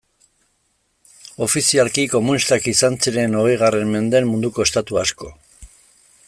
Ofizialki komunistak izan ziren, hogeigarren mendean, munduko estatu asko.